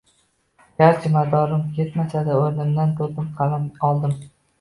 Garchi madorim etmasa-da, o`rnimdan turdim, qalam oldim